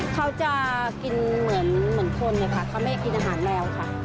เขาจะกินเหมือนคนนะคะเขาไม่กินอาหารแมวค่ะ